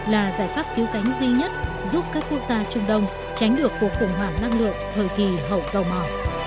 là giải pháp cứu cánh duy nhất giúp các quốc gia trung đông tránh được cuộc khủng hoảng năng lượng thời kỳ hậu dầu mỏ